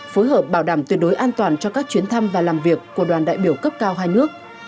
phối hợp bảo đảm tuyệt đối an toàn cho các chuyến thăm và làm việc của đoàn đại biểu cấp cao hai nước